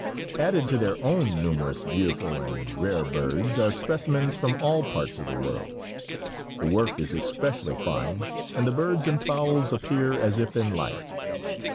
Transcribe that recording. Added to their own numerous beautiful and rare birds are specimens from all parts of the world. The work is especially fine, and the birds and fowls appear as if in life.